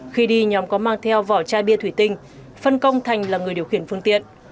khi đi nhóm có mang theo vỏ chai bia thủy tinh phân công thành là người điều khiển phương tiện